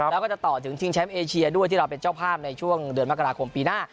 แล้วก็จะต่อถึงชิงแชมป์เอเชียด้วยที่เราเป็นเจ้าภาพในช่วงเดือนมกราคมปีหน้า